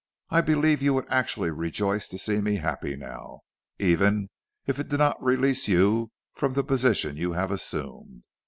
I believe you would actually rejoice to see me happy now, even if it did not release you from the position you have assumed.